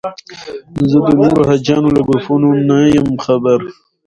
زه د نورو حاجیانو له ګروپونو نه یم خبر.